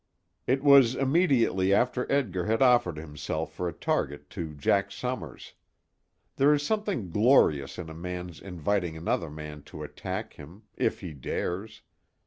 It was immediately after Edgar had offered himself for a target to Jack Summers. There is something glorious in a man's inviting another man to attack him if he dares.